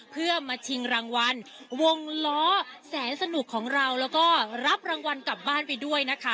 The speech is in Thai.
เพื่อมาชิงรางวัลวงล้อแสนสนุกของเราแล้วก็รับรางวัลกลับบ้านไปด้วยนะคะ